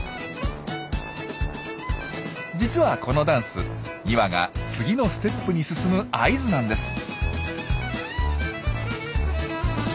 実はこのダンス２羽が次のステップに進む合図なんです。